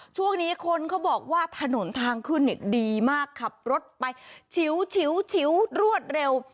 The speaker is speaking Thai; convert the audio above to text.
ช่วงนี้คนเขาบอกว่าถนนทางขึ้นเนี่ยดีมากขับรถไปชิวรวดเร็ว